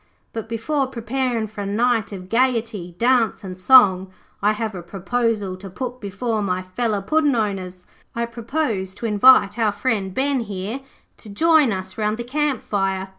But, before preparin' for a night of gaiety, dance, and song, I have a proposal to put before my feller Puddin' owners. I propose to invite our friend Ben here to join us round the camp fire.